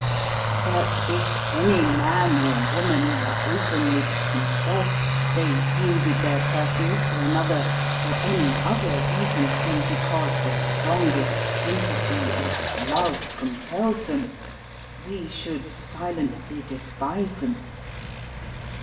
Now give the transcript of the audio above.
But if any man or woman were openly to confess they yielded their persons to another for any other reason than because the strongest sympathy and love compelled them, we should silently despise them.